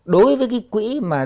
đối với cái quỹ